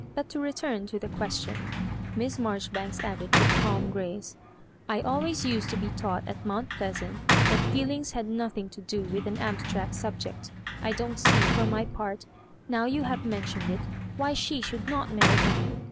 But to return to the question," Miss Maijoribanks added, with calm grace; ''I always used to be taught aft Mount Pleasant, that feelings had nothing to do witii an abstract sub ject I don't see, for my part, now you have mentioned it, why she should net nanry him.